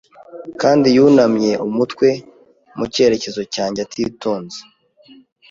Kandi yunamye umutwe mu cyerekezo cyanjye atitonze.